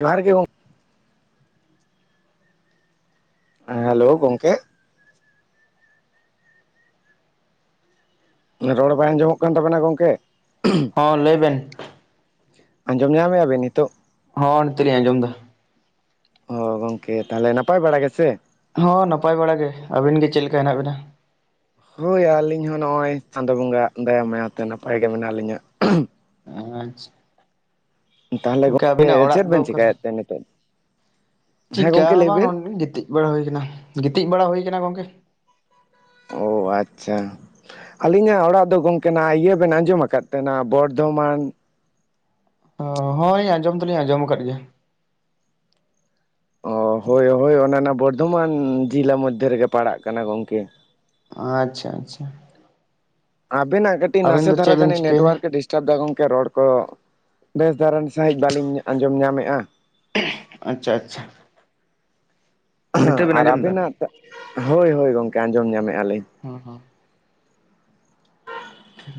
ᱡᱚᱸᱦᱟᱨ ᱜᱮ ᱜᱚᱝᱠ ᱦᱮ ᱦᱮᱞᱳ ᱜᱚᱝᱠᱮ? ᱨᱚᱲ ᱵᱟᱭ ᱟᱸᱡᱚᱢᱚᱜ ᱠᱟᱱ ᱛᱟᱵᱮᱱᱟ ᱜᱚᱝᱠᱮ? ᱦᱚᱸ ᱞᱟᱹᱭᱵᱮᱱ᱾ ᱟᱸᱡᱚᱢ ᱧᱟᱢᱮᱼᱟ ᱵᱮᱱ ᱱᱤᱛᱚᱜ? ᱦᱚᱸ ᱱᱤᱛᱚᱜ ᱞᱤᱧ ᱟᱡᱚᱢ ᱮᱫᱟ᱾ ᱦᱚ ᱜᱚᱝᱠᱮ ᱛᱟᱦᱚᱞᱮ ᱱᱟᱯᱟᱭ ᱵᱟᱲᱟ ᱜᱮᱥᱮ? ᱦᱚᱸ ᱱᱟᱯᱟᱭ ᱵᱟᱲᱟ ᱜᱮ, ᱟᱹᱵᱤᱱ ᱜᱮ ᱪᱮᱫ ᱞᱮᱠᱟ ᱦᱮᱱᱟᱜ ᱵᱤᱱᱟ? ᱦᱳᱭ ᱟᱹᱞᱤᱧ ᱦᱚᱸ ᱱᱚᱜᱼᱚᱭ ᱪᱟᱸᱫᱳ ᱵᱚᱸᱜᱟ ᱟᱜ ᱫᱟᱭᱟ ᱢᱟᱭᱟᱛᱮ ᱱᱟᱯᱟᱭ ᱜᱮ ᱢᱮᱱᱟᱜ ᱞᱤᱧᱟ᱾ ᱟᱪᱪᱷᱟ, ᱛᱟᱦᱚᱞᱮ ᱜᱚᱝᱠᱮ ᱟᱹᱵᱤᱱᱟᱜ ᱚᱲᱟᱜ ᱪᱮᱫ ᱫᱚ ᱵᱮᱱ ᱚᱠᱟ ᱨᱮ? ᱪᱮᱠᱟᱭᱮᱫ ᱛᱮ ᱱᱤᱛᱚᱜ ᱦᱮᱸ ᱪᱤᱠᱟ ᱜᱚᱝᱠᱮ ᱦᱚᱸ ᱞᱟᱹᱭ ᱵᱟᱝ ᱵᱤᱱ ᱱᱚᱱᱰ ᱜᱤᱛᱤᱡ ᱵᱟᱲᱟ ᱦᱩᱭ ᱠᱟᱱᱟ, ᱜᱤᱛᱤᱡ ᱵᱟᱲᱟ ᱦᱩᱭ ᱠᱟᱱᱟ ᱜᱚᱝᱠᱮ᱾ ᱳ ᱟᱪᱪᱷᱟ, ᱟᱹᱞᱤᱧᱟᱜ ᱚᱲᱟᱜ ᱫᱚ ᱜᱚᱝᱠᱮ ᱱᱟᱼ ᱟᱭ ᱤᱭᱟᱹ ᱵᱮᱱ ᱟᱸᱡᱚᱢᱟ ᱠᱟᱫ ᱛᱮ ᱱᱟᱜ ᱱᱟ ᱵᱚᱨᱫᱷᱚᱢᱟᱱ ᱦᱚᱸ ᱦᱳᱭ ᱟᱸᱡᱚᱢ ᱫᱚ ᱞᱤᱧ ᱟᱸᱡᱚᱢ ᱟᱠᱟᱫ ᱜᱮᱭᱟ᱾ ᱚᱸ ᱦᱳᱭ ᱦᱳᱭ ᱚᱱᱟ ᱚᱱᱟ ᱵᱚᱨᱫᱷᱚᱢᱟᱱ ᱡᱤᱞᱟ ᱢᱚᱫᱽᱫᱷᱮ ᱨᱮᱜᱮ ᱯᱟᱲᱟᱜ ᱠᱟᱱᱟ ᱜᱚᱝᱠᱮ ᱟᱪᱪᱷᱟ ᱟᱪᱪᱷᱟ ᱟᱵᱤᱱᱟᱜ ᱠᱟᱹᱴᱤᱡ ᱟᱵᱮᱱ ᱱᱟᱥᱮ ᱫᱚ ᱫᱷᱟᱨᱟ ᱪᱮᱫ ᱵᱮᱱ ᱡᱟᱹᱱᱤᱡ ᱪᱤᱠᱟᱹᱭᱮᱫᱟ ᱱᱮᱴᱣᱟᱨᱠ ᱮ ᱰᱤᱥ ᱠᱟᱱ ᱫᱟ ᱜᱚᱝᱠᱮ ᱨᱚᱲ ᱠᱚ ᱵᱮᱥ ᱫᱷᱟᱨᱟᱱ ᱥᱟᱺᱦᱤᱡ ᱵᱟᱹᱞᱤᱧ ᱟᱸᱡᱚᱢ ᱧᱟᱢᱮᱫᱼᱟ ᱟᱪᱪᱷᱟ ᱼ ᱟᱪᱪᱷᱟᱼᱼ ᱦᱮᱸ ᱟᱨ ᱟᱸᱡᱚᱢ ᱮᱫᱟ ᱟᱵᱤᱱᱟᱜ ᱦᱳᱭ ᱦᱳᱭ ᱜᱚᱝᱠᱮ ᱟᱸᱡᱚᱢ ᱧᱟᱢᱮᱫ ᱟᱞᱤᱧ᱾ ᱦᱚᱸ ᱦᱚᱸ,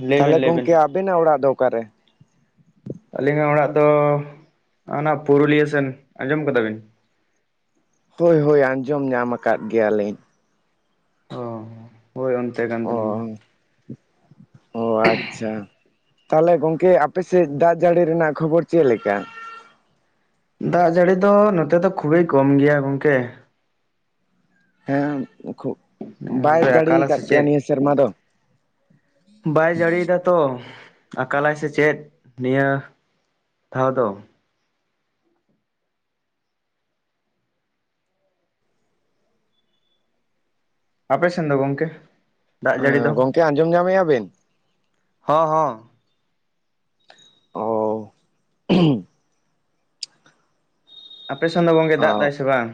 ᱞᱟᱹᱭ ᱛᱷᱟᱞᱮ ᱵᱮᱱ ᱞᱟᱹᱭ ᱵᱮᱱ ᱜᱚᱝᱠᱮ ᱟᱵᱤᱱᱟᱜ ᱚᱲᱟᱜ ᱫᱚ ᱚᱠᱟ ᱨᱮ? ᱟᱹᱞᱤᱧᱟᱜ ᱚᱲᱟᱜ ᱫᱚ ᱚᱱᱟ ᱯᱩᱨᱩᱞᱤᱭᱟᱹ ᱥᱮᱱ, ᱟᱸᱡᱚᱢ ᱠᱟᱫᱟ ᱵᱤᱱ? ᱦᱳᱭ ᱦᱳᱭ ᱟᱸᱡᱚᱢ ᱧᱟᱢ ᱟᱠᱟᱫ ᱜᱮᱭᱟ ᱞᱤᱧ ᱚ ᱦᱳᱭ ᱚᱱᱛᱮ ᱠᱟᱱ ᱛᱟᱹᱞᱤᱧᱟ᱾ ᱳ ᱟᱪᱪᱷᱟ᱾ ᱛᱟᱦᱚᱞᱮ ᱜᱚᱝᱠᱮ ᱟᱯᱮᱥᱮᱫ ᱫᱟᱜ ᱡᱟᱹᱲᱤ ᱨᱮᱱᱟᱜ ᱠᱷᱚᱵᱚᱨ ᱪᱮᱫ ᱞᱮᱠᱟ? ᱫᱟᱜ ᱡᱟᱹᱲᱤ ᱫᱚ ᱱᱚᱛᱮ ᱫᱚ ᱠᱷᱩᱵ ᱮ ᱠᱚᱢ ᱜᱮᱭᱟ ᱜᱚᱝᱠᱮ ᱦᱮᱸ ᱠᱷᱩᱵ ᱱᱮᱥ ᱵᱟᱭ ᱫᱚᱭ ᱫᱟᱲᱮ ᱟᱠᱟᱞᱟ ᱥᱮ ᱠᱟᱫ ᱯᱮᱭᱟ ᱪᱮᱫ ᱱᱤᱭᱟᱹ ᱥᱮᱨᱢᱟ ᱫᱚ ᱵᱟᱭ ᱡᱟᱹᱲᱤᱭ ᱫᱟ ᱛᱚ ᱟᱠᱟᱞ ᱟᱭ ᱥᱮ ᱪᱮᱫ ᱱᱤᱭᱟ ᱫᱷᱟᱣ ᱫᱚ᱾ ᱟᱯᱮ ᱥᱮᱱ ᱫᱚ ᱜᱚᱢᱠᱮ? ᱮᱸ ᱜᱚᱝᱠᱮ ᱟᱸᱡᱚᱢ ᱧᱟᱢᱮᱜᱼᱟ ᱵᱤᱱ? ᱦᱚᱸ ᱦᱚᱸ᱾ ᱚᱻ᱾ ᱟᱯᱮ ᱥᱮᱱ ᱫᱚ ᱜᱚᱝᱠᱮ ᱫᱟᱜ ᱚ ᱫᱟᱭ ᱥᱮ ᱵᱟᱝ?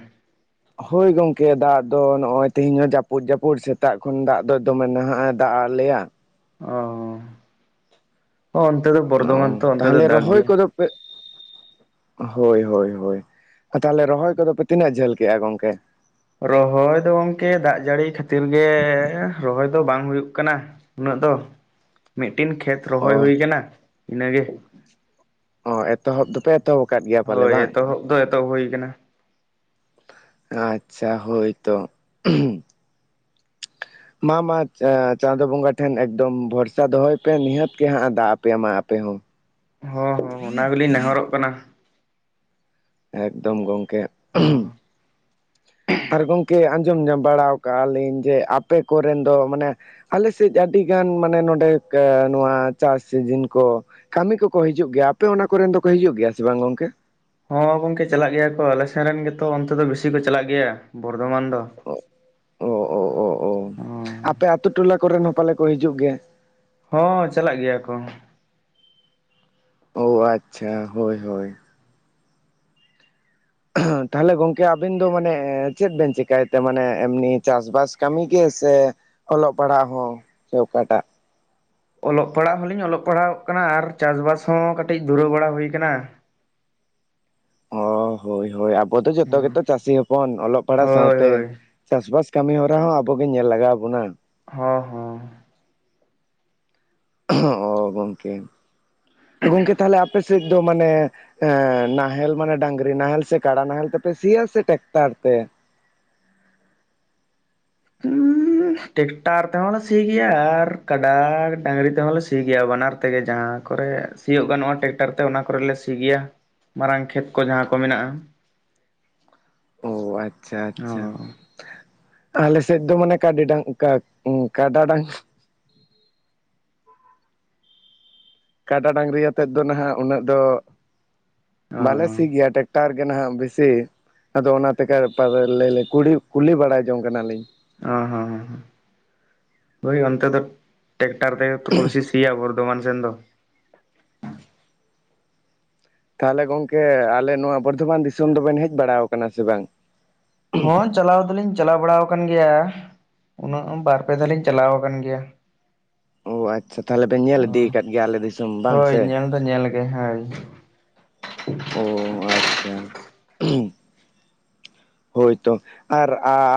ᱦᱳᱭ ᱜᱚᱝᱠᱮ ᱫᱟᱜ ᱫᱚ ᱱᱚᱜ-ᱚᱭ ᱛᱮᱦᱮᱧ ᱦᱚᱸ ᱡᱟᱹᱯᱩᱫ ᱼ ᱡᱟᱹᱯᱩᱫ ᱥᱮᱛᱟᱜ ᱠᱷᱚᱱ ᱫᱟᱜ ᱫᱚ ᱫᱚᱢᱮ ᱱᱟᱦᱟᱼᱜ ᱮᱸᱻ ᱫᱟᱜᱼᱟᱫ ᱞᱮᱭᱟ᱾ ᱚᱻ᱾ ᱚᱱᱛᱮ ᱫᱚ ᱵᱚᱨᱫᱷᱚᱢᱟᱱ ᱛᱚ ᱚᱱᱛᱮ ᱫᱚ ᱫᱟᱜ ᱜᱮᱭᱟ᱾ ᱵ [inaudible] ᱦᱳᱭ - ᱦᱳᱭ - ᱦᱳᱭ᱾ ᱛᱟᱦᱚᱞᱮ ᱨᱚᱦᱚᱭ ᱠᱚᱫᱚ ᱯᱮ ᱛᱤᱱᱟᱹᱜ ᱡᱷᱟᱹᱞ ᱠᱮᱜᱼᱟ ᱜᱚᱝᱠᱮ? ᱨᱚᱦᱚᱭ ᱫᱚ ᱜᱚᱝᱠᱮ ᱫᱟᱜ ᱡᱟᱹᱲᱤ ᱠᱷᱟᱹᱛᱤᱨ ᱜᱮᱻ ᱨᱚᱦᱚᱭ ᱫᱚ ᱵᱟᱝ ᱦᱩᱭᱩᱜ ᱠᱟᱱᱟ ᱩᱱᱟᱹᱜ ᱫᱚ, ᱢᱤᱫᱴᱤᱱ ᱠᱷᱮᱛ ᱨᱚᱦᱚᱭ ᱚ ᱦᱩᱭ ᱠᱟᱱᱟ᱾ ᱤᱱᱟᱹᱜᱮ᱾ ᱚ ᱮᱛᱚᱦᱚᱵ ᱫᱚᱯᱮ ᱫᱚᱛᱚ [unintelligible] ᱟᱠᱟᱫ ᱜᱮᱭᱟ᱾ ᱯᱟᱞᱮ ᱦᱳᱭ ᱵᱟᱝ ᱮᱛᱚᱦᱚᱵ ᱫᱚ ᱮᱛᱚᱦᱚᱵ ᱦᱳᱭ ᱟᱠᱟᱱᱟ᱾ ᱟᱪᱪᱷᱟ ᱦᱳᱭ ᱛᱚ᱾ ᱢᱟ ᱢᱟ ᱮᱸᱻᱪᱟ ᱪᱟᱸᱫᱳ ᱵᱚᱸᱜᱟ ᱴᱷᱮᱱ ᱮᱠᱫᱚᱢ ᱵᱷᱚᱨᱥᱟ ᱫᱚᱦᱚᱭ ᱯᱮ, ᱱᱤᱦᱟᱹᱛ ᱜᱮ ᱦᱟᱸᱜᱼᱟ ᱮᱸᱻ ᱫᱟᱜ ᱟᱯᱮᱭᱟ ᱟᱯᱮ ᱦᱚᱸ᱾ ᱦᱚᱸ ᱦᱚᱸ ᱦᱚᱸ ᱚᱱᱟ ᱜᱮᱞᱤᱧ ᱱᱮᱦᱚᱨᱚᱼᱜ ᱠᱟᱱᱟ᱾ ᱮᱠᱫᱚᱢ ᱜᱚᱝᱠᱮ᱾ ᱦᱚᱸ ᱟᱨ ᱜᱚᱝ ᱠᱮ ᱟᱸᱡᱚᱢ ᱧᱟᱢ ᱵᱟᱲᱟᱣ ᱠᱟᱜᱼᱟ ᱞᱤᱧ, ᱡᱮ ᱟᱯᱮ ᱠᱚᱨᱮᱱ ᱫᱚ ᱢᱟᱱᱮ ᱟᱞᱮ ᱥᱮᱡ ᱟᱹᱰᱤᱜᱟᱱ ᱢᱟᱱᱮ ᱱᱚᱸᱰᱮ ᱠᱟᱻ ᱱᱚᱣᱟ ᱪᱟᱥ ᱥᱤᱡᱤᱱ ᱠᱚ ᱠᱟᱹᱢᱤ ᱠᱚᱠᱚ ᱦᱤᱡᱩᱜ ᱜᱮᱭᱟ, ᱟᱯᱮ ᱚᱱᱟ ᱠᱚᱨᱮᱱ ᱫᱚ ᱠᱚ ᱦᱤᱡᱩᱜ ᱜᱮᱭᱟ, ᱥᱮ ᱵᱟᱝ ᱜᱚᱝᱠᱮ? ᱦᱚᱸ ᱜᱚᱝᱠᱮ ᱪᱟᱞᱟᱜ ᱜᱮᱭᱟ ᱠᱚ, ᱟᱞᱮ ᱥᱮᱱ ᱨᱮᱱ ᱜᱮᱛᱚ ᱚᱱᱛᱮ ᱫᱚ ᱵᱮᱥᱤ ᱠᱚ ᱪᱟᱞᱟᱜ ᱜᱮᱭᱟ, ᱵᱚᱨᱫᱷᱚᱢᱟᱱ ᱫᱚ᱾ ᱚ, ᱚ, ᱚ, ᱚ ᱟᱯᱮ ᱟᱛᱳ ᱴᱚᱞᱟ ᱠᱚᱨᱮᱱ ᱦᱚᱸ ᱯᱟᱞᱮ ᱠᱚ ᱦᱤᱡᱩᱜ ᱜᱮᱭᱟ? ᱦᱚᱸ ᱪᱟᱞᱟᱜ ᱜᱮᱭᱟ ᱠᱚ᱾ ᱳ ᱟᱪᱪᱷᱟ ᱦᱳᱭ ᱦᱳᱭ᱾ ᱛᱟᱦᱞᱮ ᱜᱚᱝᱠᱮ ᱟᱵᱤᱱ ᱫᱚ ᱢᱟᱱᱮ ᱪᱮᱫ ᱵᱮᱱ ᱪᱮᱠᱟᱭᱛᱮ ᱢᱟᱱᱮ ᱮᱢᱱᱤ ᱪᱟᱥᱵᱟᱥ ᱠᱟᱹᱢᱤ ᱜᱮ? ᱥᱮ ᱚᱞᱚᱜ ᱯᱟᱲᱦᱟᱜ ᱦᱚᱸ ᱥᱮ ᱚᱠᱟᱴᱟᱜ? ᱚᱞᱚᱜ ᱯᱟᱲᱦᱟᱜ ᱦᱚᱞᱤᱧ ᱚᱞᱚᱜ ᱯᱟᱲᱦᱟᱣᱚᱜ ᱠᱟᱱᱟ, ᱟᱨ ᱪᱟᱥᱵᱟᱥ ᱦᱚᱸ ᱠᱟᱹᱴᱤᱡ ᱫᱷᱩᱨᱟᱹᱣ ᱵᱟᱲᱟ ᱦᱩᱭ ᱠᱟᱱᱟ᱾ ᱚ ᱦᱳᱭ ᱦᱳᱭ᱾ ᱟᱵᱚ ᱫᱚ ᱡᱦᱚᱛᱚ ᱜᱮᱛᱚ ᱪᱟᱥᱤ ᱦᱚᱯᱚᱱ, ᱚᱞᱚᱜ ᱯᱟᱲᱦᱟᱜ ᱥᱟᱶ ᱦᱳᱭ ᱛᱮ ᱦᱳᱭ ᱪᱟᱥᱵᱟᱥ ᱠᱟᱹᱢᱤ ᱦᱚᱨᱟ ᱦᱚᱸ ᱟᱵᱚ ᱜᱮ ᱧᱮᱞ ᱞᱟᱜᱟᱣ ᱵᱚᱱᱟ᱾ ᱦᱚᱸ ᱦᱚᱸ᱾ ᱚ ᱜᱚᱝᱠᱮ, ᱜᱚᱝᱠᱮ ᱛᱟᱦᱚᱞᱮ ᱟᱯᱮ ᱥᱮᱡ ᱫᱚ ᱢᱟᱱᱮ ᱮᱸ ᱱᱟᱦᱮᱞ ᱢᱟᱱᱮ ᱰᱟᱝᱨᱤ ᱱᱟᱦᱮᱞ ᱥᱮ ᱠᱟᱲᱟ ᱱᱟᱦᱮᱞ ᱛᱮᱯᱮ ᱥᱤᱭᱟ ᱥᱮ ᱴᱮᱠᱴᱟᱨ ᱛᱮ? [inaudible] ᱦᱚᱸ ᱴᱮᱠᱴᱟᱨ ᱛᱮᱦᱚᱸ ᱞᱮ ᱥᱤ ᱜᱮᱭᱟ, ᱟᱨ ᱠᱟᱰᱟ ᱰᱟᱝᱨᱤ ᱛᱮᱦᱚᱸ ᱞᱮ ᱥᱤ ᱜᱮᱭᱟ ᱵᱟᱱᱟᱨ ᱛᱮᱜᱮ ᱡᱟᱦᱟᱸ ᱠᱚᱨᱮ ᱥᱤᱭᱳᱜ ᱜᱟᱱᱚᱜᱼᱟ ᱴᱮᱠᱴᱟᱨ ᱛᱮ ᱚᱱᱟ ᱠᱚᱨᱮᱞᱮ ᱥᱤ ᱜᱮᱭᱟ ᱢᱟᱨᱟᱝ ᱠᱷᱮᱛ ᱠᱚ ᱡᱟᱦᱟᱸ ᱠᱚ ᱢᱮᱱᱟᱜᱼᱟ᱾ ᱳ ᱟᱪᱪᱷᱟ ᱟᱪᱪᱷᱟ᱾ ᱚ ᱟᱞᱮ ᱥᱮᱫ ᱫᱚ ᱢᱟᱱᱮ ᱠᱟᱰᱤ ᱰᱟᱝ ᱠᱟᱜ ᱠᱟᱰᱟ ᱰᱟᱝ ᱠᱟᱰᱟ ᱰᱟᱝᱨᱤ ᱟᱛᱮᱫ ᱫᱚ ᱱᱟᱦᱟᱜ ᱩᱱᱟᱹᱜ ᱫᱚ ᱚ ᱵᱟᱞᱮ ᱥᱤ ᱜᱮᱭᱟ, ᱴᱮᱠᱴᱟᱨ ᱜᱮ ᱱᱟᱦᱟᱜ ᱵᱮᱥᱤ᱾ ᱟᱫᱚ ᱚᱱᱟᱛᱮ [unintelligible] ᱩᱲᱤ ᱠᱩᱞᱤ ᱵᱟᱲᱟ ᱡᱚᱝ ᱠᱟᱱᱟᱞᱤᱧ᱾ ᱚ ᱦᱚᱸ ᱦᱚᱸ ᱦᱚᱸ ᱦᱳᱭ ᱚᱱᱛᱮ ᱫᱚ ᱴᱮᱠᱴᱟᱨ ᱛᱮ ᱜᱮ ᱛᱚ ᱠᱚ ᱵᱤᱥᱤ ᱥᱤᱭᱟ ᱵᱚᱨᱫᱷᱚᱢᱟᱱ ᱥᱮᱱ ᱫᱚ᱾ ᱛᱟᱦᱚᱞᱮ ᱜᱚᱝᱠᱮ ᱟᱞᱮ ᱱᱚᱣᱟ ᱵᱚᱨᱫᱷᱚᱢᱟᱱ ᱫᱤᱥᱚᱢ ᱫᱚᱵᱮᱱ ᱦᱮᱡ ᱵᱟᱲᱟᱣ ᱠᱟᱱᱟ ᱥᱮ ᱵᱟᱝ? ᱦᱚᱸ ᱪᱟᱞᱟᱣ ᱫᱚᱞᱤᱧ ᱪᱟᱞᱟᱣ ᱵᱟᱲᱟ ᱟᱠᱟᱱ ᱜᱮᱭᱟ᱾ ᱩᱱᱟᱹᱜ ᱵᱟᱨ ᱯᱮ ᱫᱷᱟᱞᱤᱧ ᱪᱟᱞᱟᱣ ᱠᱟᱱ ᱜᱮᱭᱟ᱾ ᱳ ᱟᱪᱪᱷᱟ ᱛᱟᱦᱚᱞᱮ ᱵᱮᱱ ᱧᱮᱞ ᱤᱫᱤ ᱠᱟᱫ ᱜᱮᱭᱟ ᱟᱞᱮ ᱫᱤᱥᱚᱢ ᱵᱟᱝ ᱦᱳᱭ ᱥᱮ? ᱧᱮᱞ ᱧᱮᱞ ᱜᱮ ᱦᱟᱭ ᱚ ᱟᱪᱪᱷᱟ ᱦᱳᱭ ᱛᱚ ᱟᱨ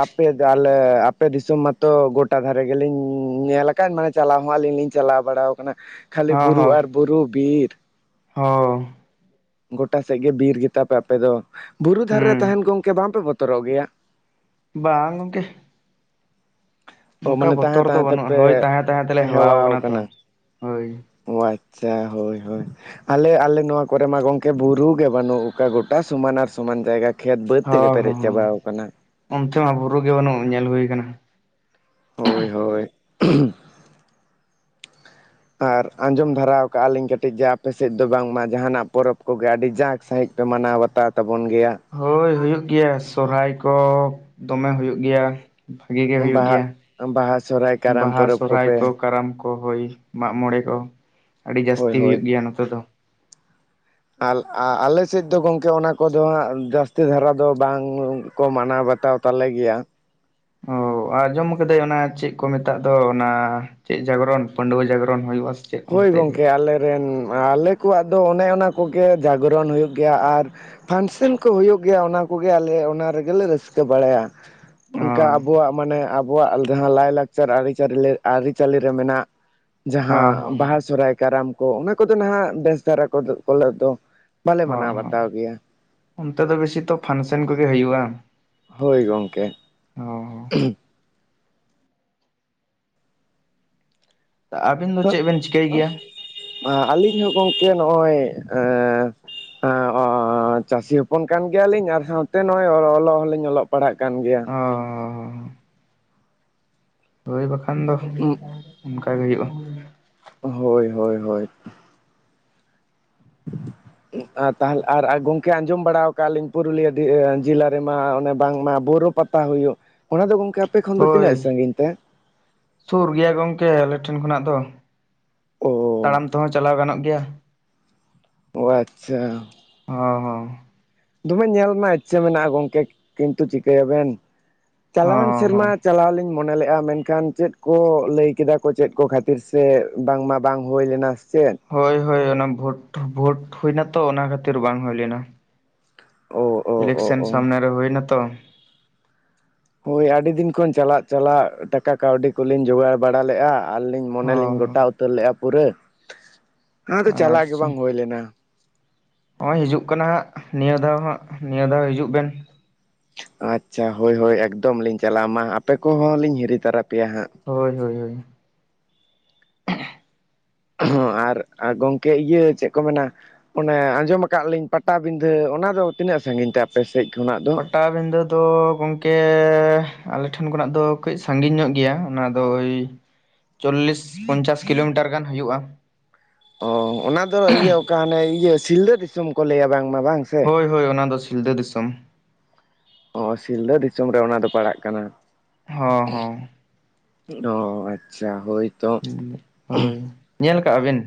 ᱟᱯᱮ ᱟᱞᱮ ᱟᱯᱮ ᱫᱤᱥᱚᱢ ᱢᱟᱛᱚ ᱜᱚᱴᱟ ᱫᱷᱟᱨᱮ ᱜᱮᱞᱤᱧ ᱧᱮᱞ ᱟᱠᱟ ᱠᱟᱫ ᱢᱟᱱᱮ ᱪᱟᱞᱟᱣ ᱦᱚᱸ ᱟᱹᱞᱤᱧ ᱞᱤᱧ ᱪᱟᱞᱟᱣ ᱵᱟᱲᱟᱣ ᱠᱟᱱᱟ ᱠᱷᱟᱹᱞᱤ ᱵᱩᱨᱩ ᱟᱨ ᱵᱩᱨᱩ ᱵᱤᱨ ᱦᱚᱻ ᱜᱚᱴᱟ ᱥᱮᱫ ᱜᱮ ᱵᱤᱨ ᱜᱮᱛᱟ ᱯᱮ ᱟᱯᱮ ᱫᱚ ᱵᱩᱨᱩ ᱫᱷᱟᱨᱮ ᱨᱮ ᱦᱩᱸ ᱛᱟᱦᱮᱱ ᱜᱚᱝᱠᱮ ᱵᱟᱝᱯᱮ ᱵᱚᱛᱚᱨᱚᱜ ᱜᱮᱭᱟ? ᱵᱟᱝ ᱜᱚᱝᱠᱮ ᱚᱱᱠᱟ ᱢᱟᱱᱮ ᱛᱟᱸᱦᱮ ᱵᱚᱛᱚᱨ ᱛᱟᱸᱦᱮ ᱫᱚ ᱵᱟᱹᱱᱩᱜᱼᱟ ᱛᱮᱯᱮ ᱦᱳᱭ ᱛᱟᱦᱮᱸ ᱛᱟᱦᱮᱸ ᱛᱮᱞᱮ ᱦᱮᱣᱟᱣ ᱟᱠᱟᱱᱟ ᱛᱚ ᱠᱟᱱᱟ᱾ ᱦᱳᱭ ᱳ ᱟᱪᱪᱷᱟ ᱦᱳᱭ ᱦᱳᱭ᱾ ᱟᱞᱮ ᱟᱞᱮ ᱱᱚᱣᱟ ᱠᱚᱨᱮ ᱢᱟ ᱜᱚᱝᱠᱮ ᱵᱩᱨᱩ ᱜᱮ ᱵᱟᱹᱱᱩᱜ ᱠᱟᱜ ᱜᱚᱴᱟ ᱥᱚᱢᱟᱱ ᱟᱨ ᱥᱚᱢᱟᱱ ᱡᱟᱭᱜᱟ ᱠᱷᱮᱛ ᱵᱟᱹᱫᱽ ᱛᱮᱜᱮ ᱦᱚᱸ ᱯᱮᱨᱮᱡ ᱦᱚᱸ ᱪᱟᱵᱟᱣ ᱟᱠᱟᱱᱟ᱾ ᱚᱱᱛᱮ ᱢᱟ ᱵᱩᱨᱩ ᱜᱮ ᱵᱟᱱᱩᱜ ᱧᱮᱞ ᱦᱩᱭ ᱠᱟᱱᱟ᱾ ᱦᱳᱭ ᱦᱳᱭ ᱟᱨ ᱟᱸᱡᱚᱢ ᱫᱷᱟᱨᱟᱣ ᱟᱠᱟᱜᱼᱟ ᱞᱤᱧ ᱠᱟᱹᱴᱤᱡ ᱡᱮ ᱟᱯᱮᱥᱮᱫ ᱫᱚ ᱵᱟᱝᱢᱟ ᱡᱟᱦᱟᱱᱟᱜ ᱯᱚᱨᱚᱵᱽ ᱠᱚᱜᱮ ᱟᱹᱰᱤ ᱡᱟᱸᱠ ᱥᱟᱺᱦᱤᱡ ᱯᱮ ᱢᱟᱱᱟᱣ ᱵᱟᱛᱟᱣ ᱛᱟᱵᱚᱱ ᱜᱮᱭᱟ? ᱦᱳᱭ ᱦᱩᱭᱩᱜ ᱜᱮᱭᱟ ᱥᱚᱨᱦᱟᱭ ᱠᱚ ᱫᱚᱢᱮ ᱦᱩᱭᱩᱜ ᱜᱮᱭᱟ᱾ ᱵᱷᱟᱜᱤ ᱜᱮ ᱦᱩᱭᱩᱜ ᱵᱟᱦᱟ ᱜᱮᱭᱟ ᱵᱟᱦᱟ ᱥᱚᱦᱨᱟᱭ ᱠᱟᱨᱟᱢ ᱵᱟᱦᱟ ᱯᱚᱨᱚᱵᱽ ᱥᱚᱨᱦᱟᱭ ᱠᱚᱯᱮ ᱠᱚ ᱠᱟᱨᱟᱢ ᱠᱚ ᱠᱚ ᱦᱳᱭ ᱢᱟᱜ ᱢᱚᱬᱮ ᱠᱚ ᱟᱹᱰᱤ ᱦᱳᱭ ᱡᱟᱹᱥᱛᱤ ᱦᱳᱭ ᱦᱩᱭᱩᱜ ᱜᱮᱭᱟ ᱱᱚᱛᱮ ᱫᱚ᱾ ᱟᱞ ᱟᱞᱮ ᱥᱮᱫ ᱫᱚ ᱜᱚᱝᱠᱮ ᱚᱱᱟ ᱠᱚᱫᱚ ᱦᱟᱸᱜ ᱡᱟᱹᱥᱛᱤ ᱫᱷᱟᱨᱟ ᱫᱚ ᱵᱟᱝ ᱠᱚ ᱢᱟᱱᱟᱣ ᱵᱟᱛᱟᱣ ᱛᱟᱞᱮ ᱜᱮᱭᱟ ᱚᱻ ᱟᱸᱡᱚᱢ ᱠᱟᱹᱫᱟᱹᱧ ᱚᱱᱟ ᱪᱮᱫ ᱠᱚ ᱢᱮᱛᱟᱜ ᱫᱚ ᱚᱱᱟ ᱪᱮᱫ ᱡᱟᱜᱽᱨᱚᱱ ᱯᱟᱺᱰᱩᱣᱟᱹ ᱡᱟᱜᱽᱨᱚᱱ ᱦᱩᱭᱩᱜᱼᱟ ᱥᱮ ᱪᱮᱫ ᱦᱳᱭ ᱚᱱᱛᱮ ᱜᱮ ᱜᱚᱝᱠᱮ ᱟᱞᱮᱨᱮᱱ ᱟᱞᱮ ᱠᱚᱣᱟᱜ ᱫᱚ ᱚᱱᱮ ᱚᱱᱟ ᱠᱚᱜᱮ ᱡᱟᱜᱽᱨᱚᱱ ᱦᱩᱭᱩᱜ ᱜᱮᱭᱟ ᱟᱨ ᱯᱷᱟᱱᱥᱮᱱ ᱠᱚ ᱦᱩᱭᱩᱜ ᱜᱮᱭᱟ ᱚᱱᱟ ᱠᱚᱜᱮ ᱟᱞᱮ ᱚᱱᱟ ᱨᱮᱜᱮᱞᱮ ᱨᱟᱹᱥᱠᱟᱹ ᱵᱟᱲᱟᱭᱟ᱾ ᱚ ᱚᱱᱠᱟ ᱟᱵᱚᱣᱟᱜ ᱢᱟᱱᱮᱼᱼ ᱟᱵᱚᱣᱟᱜ ᱡᱟᱦᱟᱸ ᱞᱟᱭ ᱞᱟᱠᱪᱟᱨ ᱟᱹᱨᱤᱪᱟᱹ ᱟᱹᱨᱤᱪᱟᱹᱞᱤ ᱨᱮ ᱢᱮᱱᱟᱜ ᱦᱚᱸ ᱡᱟᱦᱟᱸ ᱦᱚᱸ ᱥᱚᱨᱦᱟᱭ ᱠᱟᱨᱟᱢ ᱠᱚ ᱚᱱᱟ ᱠᱚᱫᱚ ᱱᱟᱦᱟᱜ ᱵᱮᱥ ᱫᱷᱟᱨᱟ ᱠᱚ ᱠᱚᱞ ᱫᱚ ᱵᱟᱞᱮ ᱦᱚᱸ ᱢᱟᱱᱟᱣ ᱦᱚᱸ ᱵᱟᱛᱟᱣ ᱜᱮᱭᱟ᱾ ᱚᱱᱛᱮ ᱫᱚ ᱵᱮᱥᱤ ᱛᱚ ᱯᱷᱟᱱᱥᱮᱱ ᱠᱚᱜᱮ ᱦᱳᱭᱳᱼᱟ᱾ ᱦᱳᱭ ᱜᱚᱝᱠᱮ᱾ ᱚᱸ ᱦᱩᱸ ᱟᱵᱤᱱ ᱛᱚ ᱫᱚ ᱪᱮᱫ ᱵᱮᱱ ᱪᱤᱠᱟᱹᱭ ᱜᱮᱭᱟ? ᱟᱹᱞᱤᱧ ᱦᱚᱸ ᱜᱚᱝᱠᱮ ᱱᱚᱜᱼᱚᱭ ᱮᱸ ᱚᱸ ᱚᱸ ᱚᱸᱪᱟᱹᱥᱤ ᱦᱚᱯᱚᱱ ᱠᱟᱱ ᱜᱮᱭᱟᱞᱤᱧ ᱟᱨ ᱥᱟᱶᱛᱮ ᱱᱚᱜᱼᱚᱭ ᱚᱞᱚᱜ ᱦᱚᱞᱤᱧ ᱚᱞᱚᱜ ᱯᱟᱲᱦᱟᱜ ᱠᱟᱱ ᱜᱮᱭᱟ᱾ ᱚ ᱦᱳᱭ ᱵᱟᱠᱷᱟᱱ ᱫᱚ ᱚᱱᱠᱟ ᱜᱮ ᱦᱩᱭᱩᱜᱼᱟ᱾ ᱦᱳᱭ ᱦᱳᱭ ᱦᱳᱭ᱾ [inaudible] ᱛᱟᱦᱚᱞᱮ ᱟᱨ ᱜᱚᱢᱠᱮ ᱟ ᱟᱸᱡᱚᱢ ᱵᱟᱲᱟ ᱠᱟᱜ ᱞᱤᱧ ᱯᱩᱨᱩᱞᱤᱭᱟᱹ ᱡᱮᱞᱟ ᱨᱮᱢᱟ ᱚᱱᱮ ᱵᱟᱝᱢᱟ ᱵᱩᱨᱳ ᱯᱟᱛᱟ ᱯᱟ ᱦᱩᱭᱩᱜ ᱚᱱᱟ ᱫᱚ ᱜᱚᱝᱠᱮ ᱟᱯᱮ ᱠᱷᱚᱱ ᱫᱚ ᱦᱳᱭ ᱛᱤᱱᱟᱹᱜ ᱥᱟᱹᱜᱤᱧ ᱛᱮ? ᱥᱩᱨ ᱜᱮᱭᱟ ᱜᱚᱝᱠᱮ ᱟᱞᱮ ᱴᱷᱮᱱ ᱠᱷᱚᱱᱟᱜ ᱫᱚ ᱚ ᱛᱟᱲᱟᱢ ᱛᱮᱦᱚᱸ ᱪᱟᱞᱟᱣ ᱜᱟᱱᱚᱜ ᱜᱮᱭᱟ᱾ ᱳ ᱟᱪᱪᱷᱟ᱾ ᱦᱚᱸ ᱦᱚᱸ᱾ ᱫᱚᱢᱮ ᱧᱮᱞ ᱨᱮᱱᱟᱜ ᱤᱪᱪᱷᱟᱹ ᱢᱮᱱᱟᱜᱼᱟ ᱜᱚᱝᱠᱮ ᱠᱤᱱᱛᱩ ᱪᱤᱠᱟᱹᱭᱟᱵᱮᱱ ᱪᱟᱞᱟᱣᱮᱱ ᱦᱚᱸ ᱦᱚᱸ ᱥᱮᱨᱢᱟ ᱪᱟᱞᱟᱣ ᱞᱤᱧ ᱢᱚᱱᱮ ᱞᱮᱜ-ᱟ ᱢᱮᱱᱠᱷᱟᱱ ᱪᱮᱫ ᱠᱚ ᱞᱟᱹᱭ ᱠᱮᱫᱟ ᱠᱚ ᱪᱮᱫ ᱠᱚ ᱠᱷᱟᱹᱛᱤᱨ ᱥᱮ ᱵᱟᱝᱢᱟ ᱵᱟᱝ ᱦᱩᱭ ᱞᱮᱱᱟ ᱥᱮ ᱪᱮᱫ ᱦᱳᱭ ᱦᱳᱭ ᱚᱱᱟ ᱵᱷᱳᱴ ᱵᱷᱳᱴ ᱦᱩᱭᱱᱟ ᱛᱚ ᱚᱱᱟ ᱠᱷᱟᱹᱛᱤᱨ ᱵᱟᱝ ᱦᱩᱭ ᱞᱮᱱᱟ᱾ ᱚ ᱚ ᱚ ᱤᱞᱮᱠᱥᱮᱱ ᱚ ᱥᱟᱢᱱᱮ ᱨᱮ ᱦᱩᱭᱱᱟ ᱛᱚ᱾ ᱦᱳᱭ ᱟᱹᱰᱤ ᱫᱤᱱ ᱠᱷᱚᱱ ᱪᱟᱞᱟᱜ ᱪᱟᱞᱟᱜ ᱴᱟᱠᱟ ᱠᱟᱹᱣᱰᱤ ᱠᱚᱞᱤᱧ ᱡᱚᱜᱟᱲ ᱵᱟᱲᱟ ᱞᱮᱜᱼᱟ ᱟᱨᱞᱤᱧ ᱚ ᱢᱚᱱᱮ ᱞᱤᱧ ᱜᱚᱴᱟ ᱩᱛᱟᱹᱨ ᱞᱮᱜᱼᱟ ᱯᱩᱨᱟᱹ ᱟᱫᱚ ᱪᱟᱞᱟᱜ ᱜᱮ ᱟᱪᱪᱷᱟ ᱵᱟᱝ ᱦᱩᱭ ᱞᱮᱱᱟ᱾ ᱱᱚᱜᱼᱚᱭ ᱦᱤᱡᱩᱜ ᱠᱟᱱᱟ ᱦᱟᱸᱜ ᱱᱤᱭᱟᱹ ᱫᱷᱟᱣ ᱦᱟᱸᱜ ᱱᱤᱭᱟᱹ ᱫᱷᱟᱣ ᱦᱤᱡᱩᱜ ᱵᱮᱱ᱾ ᱟᱪᱪᱷᱟ ᱦᱳᱭ ᱦᱳᱭ ᱮᱠᱫᱚᱢ ᱞᱤᱧ ᱪᱟᱞᱟᱜᱼᱟ ᱢᱟ ᱟᱯᱮ ᱠᱚᱦᱚᱸ ᱞᱤᱧ ᱦᱤᱨᱤ ᱛᱟᱨᱟ ᱯᱮᱭᱟ ᱦᱟᱸᱜ᱾ ᱦᱳᱭ ᱦᱳᱭ ᱦᱳᱭ᱾ ᱦᱚᱸ ᱟᱨ ᱜᱚᱢᱠᱮ ᱤᱭᱟᱹ ᱪᱮᱫ ᱠᱚ ᱢᱮᱱᱟ ᱚᱱᱮ ᱟᱸᱡᱚᱢ ᱟᱠᱟᱜ ᱞᱤᱧ ᱯᱟᱴᱟᱵᱤᱸᱫᱷᱟᱹ ᱚᱱᱟ ᱫᱚ ᱛᱤᱱᱟᱹᱜ ᱥᱟᱺᱜᱤᱧ ᱛᱮ ᱟᱯᱮ ᱥᱮᱡ ᱠᱷᱚᱱᱟᱜ ᱫᱚ? ᱯᱟᱴᱟᱵᱤᱫᱷᱟᱹ ᱫᱚ ᱜᱚᱝᱠᱮᱻ ᱟᱞᱮ ᱴᱷᱮᱱ ᱠᱷᱚᱱᱟᱜ ᱫᱚ ᱠᱟᱹᱡ ᱥᱟᱺᱜᱤᱧ ᱧᱚᱜ ᱜᱮᱭᱟ᱾ ᱚᱱᱟ ᱫᱚ ᱳᱭ ᱪᱚᱞᱞᱤᱥ ᱯᱚᱧᱪᱟᱥ ᱠᱤᱞᱳᱢᱤᱴᱟᱨ ᱜᱟᱱ ᱦᱩᱭᱩᱜᱼᱟ᱾ ᱚ ᱚᱱᱟ ᱫᱚ ᱤᱭᱟᱹ ᱚᱠᱟ ᱦᱟᱱᱮ ᱤᱭᱟᱹ ᱥᱤᱞᱫᱟᱹ ᱫᱤᱥᱚᱢ ᱠᱚ ᱞᱟᱹᱭᱟ ᱵᱟᱝ ᱢᱟ ᱵᱟᱝ ᱥᱮ ᱦᱳᱭ ᱦᱳᱭ ᱚᱱᱟ ᱫᱚ ᱥᱤᱞᱫᱟᱹ ᱫᱤᱥᱚᱢ᱾ ᱚ ᱥᱤᱞᱫᱟᱹ ᱫᱤᱥᱚᱢ ᱨᱮ ᱚᱱᱟ ᱫᱚ ᱯᱟᱲᱟᱜ ᱠᱟᱱᱟ᱾ ᱦᱚᱸ ᱦᱚᱸ ᱚ ᱟᱪᱪᱷᱟ ᱦᱳᱭ ᱦᱳᱭ ᱧᱮᱞ ᱠᱟᱜᱼᱟ ᱵᱮᱱ?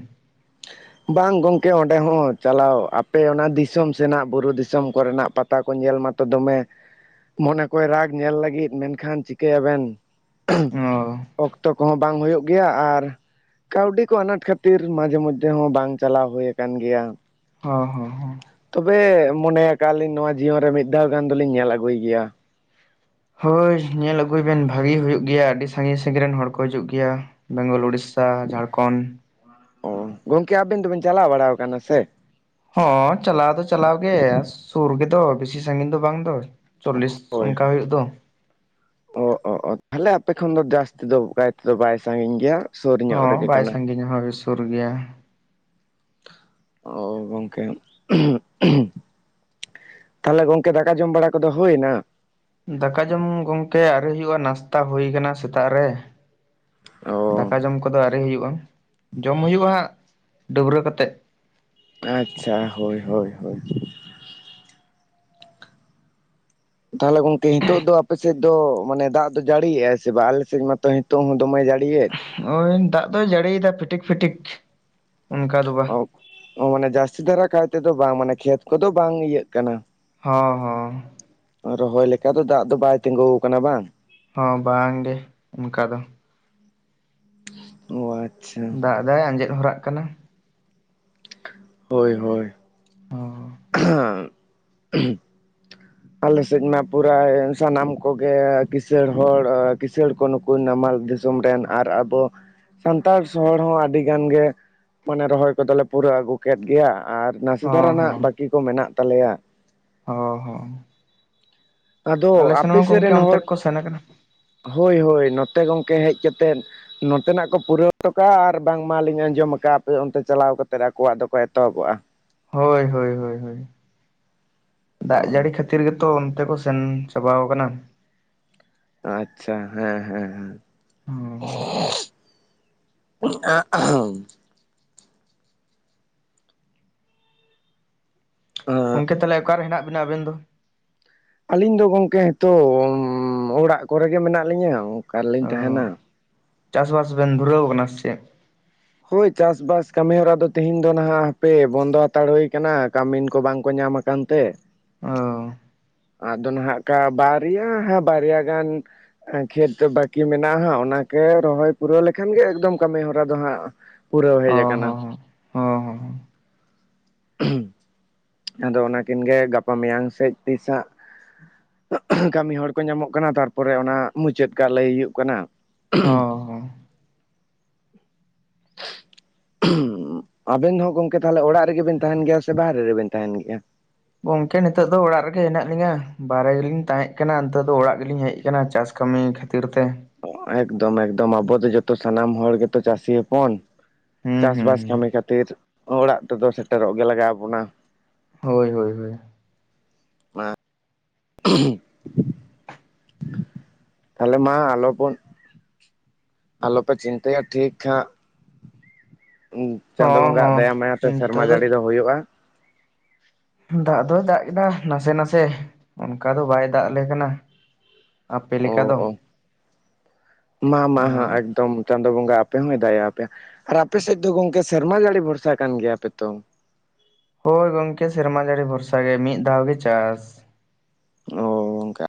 ᱵᱟᱝ ᱜᱚᱝᱠᱮ ᱚᱸᱰᱮ ᱦᱚᱸ ᱪᱟᱞᱟᱣ ᱟᱯᱮ ᱚᱱᱟ ᱫᱤᱥᱚᱢ ᱥᱮᱱᱟᱜ ᱵᱩᱨᱩ ᱫᱤᱥᱚᱢ ᱠᱚᱨᱮᱱᱟᱜ ᱯᱟᱛ ᱛᱟ ᱠᱚ ᱧᱮᱞ ᱢᱟᱛᱚ ᱫᱚᱢᱮ ᱢᱚᱱᱮ ᱠᱚᱭ ᱨᱟᱜᱽ ᱧᱮᱞ ᱞᱟᱹᱜᱤᱫ ᱢᱮᱱᱠᱷᱟᱱ ᱪᱤᱠᱟᱹᱭᱟᱵᱮᱱ ᱩᱸᱦᱩᱸ ᱚ ᱚᱠᱛᱚ ᱠᱚᱦᱚᱸ ᱵᱟᱝ ᱦᱩᱭᱩᱜ ᱜᱮᱭᱟ ᱟᱨ ᱠᱟᱹᱣᱰᱤ ᱠᱚ ᱟᱱᱟᱴ ᱠᱷᱟᱹᱛᱤᱨ ᱢᱟᱡᱷᱮ ᱢᱚᱫ ᱫᱮ ᱦᱚᱸ ᱵᱟᱝ ᱪᱟᱞᱟᱣ ᱦᱩᱭ ᱟᱠᱟᱱ ᱜᱮᱭᱟ᱾ ᱦᱚᱸ ᱦᱚᱸ᱾ ᱛᱚᱵᱮ ᱢᱚᱱᱮ ᱠᱟᱜᱼᱟ ᱠᱟᱜᱞᱤᱧ ᱱᱚᱣᱟ ᱡᱤᱭᱚᱱ ᱨᱮ ᱢᱤᱫ ᱫᱷᱟᱣ ᱜᱟᱱ ᱫᱚᱞᱤᱧ ᱧᱮᱞ ᱟᱹᱜᱩᱭ ᱜᱮᱭᱟ᱾ ᱦᱳᱭ ᱧᱮᱞ ᱟᱹᱜᱩᱭ ᱵᱮᱱ ᱵᱷᱟᱹᱜᱤ ᱦᱩᱭᱩᱜ ᱜᱮᱭᱟ ᱟᱹᱰᱤ ᱥᱟᱺᱜᱤᱧ ᱥᱟᱺᱜᱤᱧ ᱨᱮᱱ ᱦᱚᱲ ᱠᱚ ᱦᱤᱡᱩᱜ ᱜᱮᱭᱟ᱾ ᱵᱮᱝᱜᱚᱞ, ᱩᱲᱤᱥᱥᱷᱟ, ᱡᱷᱟᱲᱠᱷᱚᱱᱰ ᱚ ᱜᱚᱝᱠᱮ ᱟᱵᱮᱱ ᱫᱚᱵᱮᱱ ᱪᱟᱞᱟᱣ ᱵᱟᱲᱟᱣ ᱠᱟᱱᱟ ᱥᱮ? ᱦᱚᱸ ᱪᱟᱞᱟᱣ ᱫᱚ ᱪᱟᱞᱟᱣ ᱜᱮ ᱥᱩᱨ ᱜᱮᱫᱚ ᱵᱮᱥᱤ ᱥᱟᱺᱜᱤᱧ ᱫᱚ ᱵᱟᱝ ᱫᱚ ᱪᱚᱞᱞᱤᱥ ᱦᱳᱭ ᱚᱱᱠᱟ ᱦᱳᱭ᱾ ᱦᱩᱭᱩᱜ ᱫᱚ᱾ ᱚ ᱚ ᱛᱟᱦᱚᱞᱮ ᱟᱯᱮ ᱠᱷᱚᱱ ᱫᱚ ᱡᱟᱹᱥᱛᱤ ᱫᱚ ᱡᱟᱹᱥᱛᱤ ᱫᱚ ᱵᱟᱭ ᱥᱟᱺᱜᱤᱧ ᱜᱮᱭᱟ᱾ ᱥᱩᱨ ᱧᱚᱜ ᱦᱚᱸ ᱨᱮᱜᱮ ᱵᱟᱭ ᱠᱟᱱᱟ᱾ ᱥᱟᱺᱜᱤᱧᱟ ᱦᱚᱸ ᱥᱩᱨ ᱜᱮᱭᱟ᱾ ᱚ ᱜᱚᱝᱠᱮ ᱩᱸᱦᱩᱜ ᱩᱸᱦᱩᱜ᱾ ᱛᱟᱦᱚᱞᱮ ᱜᱚᱝᱠᱮ ᱫᱟᱠᱟ ᱡᱚᱢ ᱵᱟᱲᱟ ᱠᱚᱫᱚ ᱦᱩᱭᱱᱟ᱾ ᱫᱟᱠᱟ ᱡᱚᱢ ᱜᱚᱢᱠᱮ ᱟᱹᱣᱨᱤ ᱦᱩᱭᱩᱜᱼᱟ ᱱᱟᱥᱛᱟ ᱦᱳᱭ ᱟᱠᱟᱱᱟ ᱥᱮᱛᱟᱜ ᱨᱮ᱾ ᱚ ᱫᱟᱠᱟ ᱡᱚᱢ ᱠᱚᱫᱚ ᱟᱣᱨᱤ ᱦᱩᱭᱩᱜᱼᱟ, ᱡᱚᱢ ᱦᱩᱭᱩᱜᱼᱟ ᱦᱟᱸᱜ ᱰᱟᱹᱵᱽᱨᱟᱹ ᱠᱟᱛᱮᱫ᱾ ᱟᱪᱪᱷᱟ ᱦᱳᱭ ᱦᱳᱭ ᱦᱳᱭ ᱛᱟᱦᱚᱞᱮ ᱜᱚᱢᱠᱮ ᱱᱤᱛᱚᱜ ᱫᱚ ᱟᱯᱮ ᱥᱮᱫ ᱫᱚ ᱢᱟᱱᱮ ᱫᱟᱜ ᱫᱚ ᱡᱟᱹᱲᱤᱭᱮᱜ ᱟᱭ ᱥᱮ ᱵᱟᱝ, ᱟᱞᱮ ᱥᱮᱫ ᱢᱟᱛᱚ ᱱᱤᱛᱚᱜ ᱦᱚᱸ ᱫᱚᱢᱮ ᱡᱟᱹᱲᱤᱭᱮᱫ᱾ ᱳᱭ ᱫᱟᱜ ᱫᱚᱜ ᱡᱟᱹᱲᱤᱭᱮᱫᱟ ᱯᱷᱤᱴᱤᱠ ᱯᱷᱤᱴᱤᱠ ᱚᱱᱠᱟ ᱫᱚ ᱵᱟᱝ ᱚ ᱢᱟᱱᱮ ᱡᱟᱹᱥᱛᱤ ᱫᱷᱟᱨᱟ ᱠᱟᱭ ᱛᱮᱫᱚ ᱵᱟᱝ ᱢᱟᱱᱮ ᱠᱷᱮᱛ ᱠᱚᱫᱚ ᱵᱟᱝ ᱤᱭᱟᱹᱜ ᱠᱟᱱᱟ᱾ ᱦᱚᱸ ᱦᱚᱸ ᱨᱚᱦᱚᱭ ᱞᱮᱠᱟ ᱫᱚ ᱫᱟᱜ ᱫᱚ ᱵᱟᱭ ᱛᱤᱜᱩ ᱠᱟᱱᱟ ᱵᱟᱝ ᱦᱚᱸ ᱵᱟᱝ ᱜᱮ ᱚᱱᱠᱟ ᱫᱚ ᱚ ᱟᱪᱪᱷᱟ ᱯᱨᱟᱭ ᱟᱸᱡᱮᱫ ᱦᱚᱨᱟᱜ ᱠᱟᱱᱟ ᱦᱳᱭ ᱦᱳᱭ ᱦᱚᱸ [unintelligible] ᱟᱞᱮ ᱥᱮᱫ ᱢᱟ ᱯᱩᱨᱟᱹ ᱥᱟᱱᱟᱢ ᱠᱚᱜᱮ ᱠᱤᱥᱟᱹᱲ ᱦᱚᱲ ᱠᱤᱥᱟᱹᱲ ᱠᱚ ᱱᱩᱠᱩ᱾ ᱠᱚ ᱱᱟᱢᱟᱞ ᱫᱤᱥᱚᱢ ᱨᱮᱱ ᱟᱨ ᱟᱵᱚ ᱥᱟᱱᱛᱟᱲ ᱦᱚᱲ ᱦᱚᱸ ᱟᱹᱰᱤ ᱜᱟᱱ ᱜᱮ ᱢᱟᱱᱮ ᱨᱚᱦᱚᱭ ᱠᱚᱫᱚᱞᱮ ᱯᱩᱨᱟᱹᱣ ᱟᱹᱜᱩ ᱠᱮᱫ ᱜᱮᱭᱟ ᱟᱨ᱾ ᱱᱟᱥᱮ ᱫᱷᱟᱨᱟ ᱦᱚᱸ ᱱᱟᱜ ᱵᱟᱹᱠᱤ ᱠᱚ ᱢᱮᱱᱟᱜ ᱛᱟᱞᱮᱭᱟ ᱚ ᱦᱚᱸ ᱟᱫᱚ ᱟᱞᱮ ᱥᱮᱱ ᱟᱯᱮ ᱦᱚᱸ ᱥᱮᱫ ᱜᱚᱝᱠᱮ ᱨᱮᱱ ᱚᱱᱛᱮ ᱦᱚᱲ, ᱠᱚ ᱥᱮᱱ ᱟᱠᱟᱱᱟ ᱦᱳᱭ ᱦᱳᱭ ᱱᱚᱛᱮ ᱜᱚᱢᱠᱮ ᱦᱮᱡ ᱠᱟᱛᱮᱫ᱾ ᱱᱚᱛᱮᱱᱟᱜ ᱠᱚ ᱯᱩᱨᱟᱹᱣ ᱦᱚᱴᱚ ᱠᱟᱜᱼᱟ, ᱟᱨ ᱵᱟᱝ ᱢᱟᱞᱤᱧ ᱟᱸᱡᱚᱢ ᱠᱟᱫᱼᱟ ᱟᱯᱮ, ᱚᱱᱛᱮ ᱪᱟᱞᱟᱣ ᱠᱟᱛᱮᱫ ᱟᱠᱚᱣᱟᱜ ᱫᱚᱠᱚ ᱮᱛᱚᱦᱚᱵᱚᱜᱼᱟ ᱦᱳᱭ ᱦᱳᱭ ᱦᱳᱭ ᱚ ᱫᱟᱜ ᱡᱟᱹᱲᱤ ᱠᱷᱟᱹᱛᱤᱨ ᱠᱷᱟᱹᱛᱤᱨ ᱜᱮᱛᱚ ᱚᱱᱛᱮ ᱠᱚ ᱥᱮᱱ ᱪᱟᱵᱟᱣ ᱠᱟᱱᱟ᱾ ᱟᱪᱪᱷᱟ ᱦᱮᱸ ᱦᱮᱸ ᱦᱮᱸ᱾ ᱦᱚᱸ [unintelligible] ᱜᱚᱝᱠᱮ ᱛᱟᱦᱞᱮ ᱚᱠᱟᱨᱮ ᱦᱮᱱᱟᱜ ᱵᱤᱱᱟ ᱟᱵᱤᱱ ᱫᱚ᱾ ᱟᱹᱞᱤᱧ ᱫᱚ ᱜᱚᱝᱠᱮ ᱱᱤᱛᱚᱜ ᱚᱲᱟᱜ ᱠᱚᱨᱮᱜ ᱜᱮ ᱢᱮᱱᱟᱜ ᱞᱤᱧᱟᱹ ᱚᱠᱟ ᱨᱮᱞᱤᱧ ᱚ ᱛᱟᱸᱦᱮᱱᱟ᱾ ᱪᱟᱥᱵᱟᱥ ᱵᱮᱱ ᱫᱷᱩᱨᱟᱹᱣ ᱟᱠᱟᱱᱟ ᱥᱮ ᱪᱮᱫ᱾ ᱦᱳᱭ ᱪᱟᱥᱵᱟᱥ ᱠᱟᱹᱢᱤ ᱦᱚᱨᱟ ᱫᱚ ᱛᱮᱦᱮᱧ ᱫᱚ ᱱᱟᱸᱜ ᱦᱟᱯᱮ ᱵᱚᱱᱫᱚ ᱦᱟᱛᱟᱲ ᱦᱩᱭ ᱠᱟᱱᱟ ᱠᱟᱹᱢᱤᱱ ᱠᱚ ᱵᱟᱝᱠᱚ ᱧᱟᱢ ᱾ ᱠᱟᱱᱛᱮ ᱚ ᱟᱫᱚ ᱦᱟᱸᱜᱠᱟ ᱵᱟᱨᱭᱟ ᱦᱮᱸ ᱵᱟᱨᱭᱟ ᱜᱟᱱ ᱠᱷᱮᱛ ᱵᱟᱹᱠᱤ ᱢᱮᱱᱟᱜᱼᱟ ᱦᱟᱸᱜ ᱚᱱᱟᱠᱚ ᱨᱚᱦᱚᱭ ᱯᱩᱨᱟᱹᱣ ᱞᱮᱠᱷᱟᱱ ᱜᱮ ᱮᱠᱫᱚᱢ ᱠᱟᱹᱢᱤ ᱦᱚᱨᱟ ᱫᱚ ᱦᱟᱸᱜ᱾ ᱯᱩᱨᱟᱹᱣ ᱦᱮᱡ ᱚ ᱟᱠᱟᱱᱟ ᱦᱚᱸ ᱦᱚᱸ ᱦᱚᱸ ᱦᱚᱸ ᱦᱚᱸ ᱟᱫᱚ ᱚᱱᱟᱠᱤᱱ ᱜᱮ ᱜᱟᱯᱟ ᱢᱮᱭᱟᱝ ᱥᱮᱡ ᱛᱤᱥ ᱦᱟᱸᱜ᱾ ᱠᱟᱹᱢᱤ ᱦᱚᱲ ᱠᱚ ᱧᱟᱢᱚᱜ ᱠᱟᱱᱟ ᱛᱟᱨᱯᱚᱨᱮ ᱚᱱᱟ ᱢᱩᱪᱟᱹᱫ ᱠᱟᱜ ᱞᱟᱹᱭ ᱦᱩᱭᱩᱜ ᱠᱟᱱᱟ᱾ ᱦᱚᱸ ᱦᱚᱸ ᱟᱵᱮᱱ ᱫᱚ ᱜᱚᱝᱠᱮ ᱛᱟᱞᱦᱮ ᱚᱲᱟᱜ ᱨᱮᱜᱮ ᱵᱤᱱ ᱛᱟᱸᱦᱮᱱ ᱜᱮᱭᱟ ᱥᱮ ᱵᱟᱦᱨᱮ ᱨᱤᱵᱤᱱ ᱛᱟᱸᱦᱮᱱ ᱜᱮᱭᱟ᱾ ᱜᱚᱝᱠᱮ ᱱᱤᱛᱚᱜ ᱫᱚ ᱚᱲᱟᱜ ᱨᱮᱜᱮ ᱦᱮᱱᱟᱜ ᱞᱤᱧᱟ, ᱵᱟᱦᱨᱮ ᱨᱮᱞᱤᱧ ᱛᱟᱦᱮᱸᱜ ᱠᱟᱱᱟ ᱱᱤᱛᱚᱜ ᱫᱚ ᱚᱲᱟᱜ ᱨᱮᱞᱤᱧ ᱦᱮᱡ ᱠᱟᱱᱟ ᱪᱟᱥ ᱠᱟᱹᱢᱤ᱾ ᱠᱷᱟᱛᱤᱨ ᱛᱮ ᱮᱠᱫᱚᱢ ᱮᱠᱫᱚᱢ ᱟᱵᱚ ᱫᱚ ᱡᱚᱛᱚ ᱥᱟᱱᱟᱢ ᱦᱚᱲ ᱜᱮᱛᱚ ᱪᱟᱹᱥᱤ ᱦᱚᱯᱚᱱ᱾ ᱦᱩᱸ ᱦᱩᱸ ᱪᱟᱥᱵᱟᱥ ᱦᱩᱸ ᱠᱟᱹᱢᱤ ᱠᱷᱟᱹᱛᱤᱨ ᱚᱲᱟᱜ ᱛᱮᱫᱚ ᱥᱮᱴᱮᱨᱚᱜ ᱜᱮ ᱞᱟᱜᱟᱣ ᱟᱵᱚᱱᱟ᱾ ᱦᱳᱭ ᱦᱳᱭ ᱦᱳᱭ ᱛᱟᱦᱞᱮ ᱢᱟ ᱵᱚᱱ ᱟᱞᱚᱯᱮ ᱪᱤᱱᱛᱟᱹᱭᱟ ᱴᱷᱤᱠ ᱦᱟᱸᱜ ᱪᱟᱸᱫᱳ ᱦᱚᱸ ᱵᱚᱸᱜᱟ ᱟᱜ ᱦᱚᱸ ᱫᱟᱭᱟᱢ ᱢᱟᱭᱟ ᱛᱮ ᱥᱮᱨᱢᱟ ᱱᱤᱛᱚᱜ ᱡᱟᱹᱲᱤ ᱫᱚ ᱦᱩᱭᱩᱜᱼᱟ᱾ ᱫᱟᱜ ᱫᱚᱭ ᱫᱟᱜ ᱠᱮᱫᱟ ᱱᱟᱥᱮ ᱱᱟᱥᱮ ᱚᱱᱠᱟ ᱫᱚ ᱵᱟᱭ ᱫᱟᱜ ᱟᱞᱮ ᱠᱟᱱᱟ᱾ ᱟᱯᱮ ᱚ ᱞᱮᱠᱟ ᱫᱚ ᱚ ᱢᱟ ᱢᱟ ᱚ ᱮᱠᱫᱚᱢ ᱪᱟᱸᱫᱚ ᱵᱚᱸᱜᱟ ᱟᱯᱮ ᱦᱚᱸ ᱫᱟᱭᱟ, ᱟᱯᱮᱭᱟ ᱟᱨ ᱟᱯᱮ ᱥᱮᱫ ᱫᱚ ᱜᱚᱝᱠᱮ ᱥᱮᱨᱢᱟ ᱡᱟᱹᱲᱤ ᱵᱷᱚᱨᱥᱟ ᱠᱟᱱ ᱜᱮᱭᱟᱯᱮ ᱛᱚ᱾ ᱦᱳᱭ ᱜᱚᱝᱠᱮ ᱥᱮᱨᱢᱟ ᱡᱟᱹᱲᱤ ᱵᱷᱚᱨᱥᱟ ᱜᱮ ᱢᱤᱫ ᱫᱷᱟᱣ ᱜᱮ ᱪᱟᱥ᱾ ᱚ ᱚᱝᱼᱠᱟ